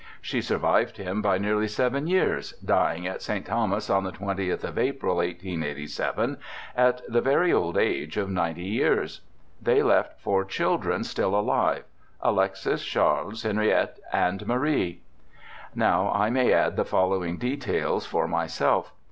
She survived him by nearly seven 3'ears, dying at St. Thomas on the 20th of April, 1887, at the very old age of 90 years. They left four children, still alive Alexis, Charles, Henriette, and Marie. 'Now I may add the following details for myself.